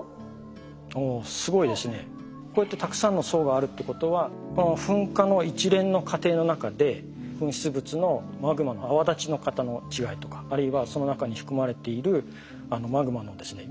こうやってたくさんの層があるってことは噴火の一連の過程の中で噴出物のマグマの泡立ち方の違いとかあるいはその中に含まれているマグマのですね